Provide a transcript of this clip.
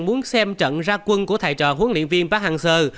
muốn xem trận ra quân của thầy trò huấn luyện viên park hang seo